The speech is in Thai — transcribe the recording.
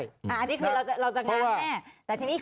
เราจะงานแน่